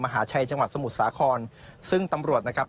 หาชัยจังหวัดสมุทรสาครซึ่งตำรวจนะครับ